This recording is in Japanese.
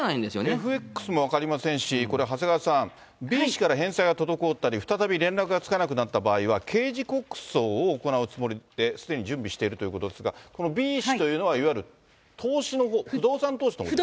ＦＸも分かりませんし、これ、長谷川さん、Ｂ氏から返済が滞ったり、再び連絡がつかなくなった場合は、刑事告訴を行うつもりで、すでに準備しているということが、このＢ氏というのは、いわゆる投資の、不動産投資のことですよね。